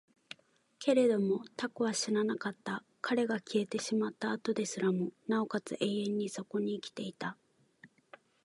けれども蛸は死ななかった。彼が消えてしまった後ですらも、尚且つ永遠にそこに生きていた。